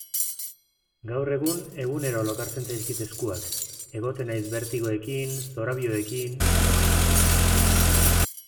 Gaur egun egunero lokartzen zaizkit eskuak, egoten naiz bertigoekin, zorabioekin...